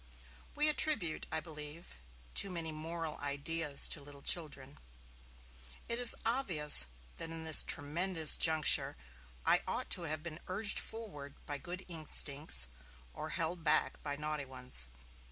We attribute, I believe, too many moral ideas to little children. It is obvious that in this tremendous juncture I ought to have been urged forward by good instincts, or held back by naughty ones.